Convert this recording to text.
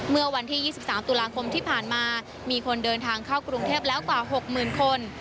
เมื่อวันที่๒๓ตุลาคมที่ผ่านมามีคนเดินทางเข้ากรุงเทพแล้วกว่า๖๐๐๐คน